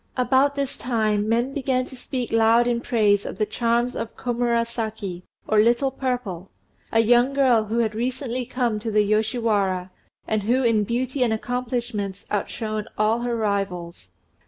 About this time men began to speak loud in praise of the charms of Komurasaki, or "Little Purple," a young girl who had recently come to the Yoshiwara, and who in beauty and accomplishments outshone all her rivals.